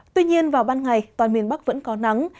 tuy nhiên vào ban ngày toàn miền bắc vẫn có nắng